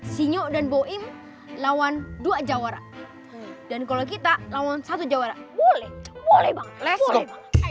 si nyok dan boing lawan dua jawara dan kalau kita lawan satu jawara boleh boleh banget